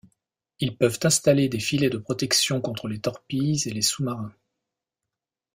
Ils peuvent installer des filets de protection contre les torpilles et les sous-marins.